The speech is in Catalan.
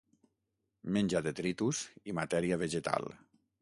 Menja detritus i matèria vegetal.